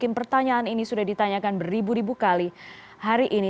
ini akan beribu ribu kali hari ini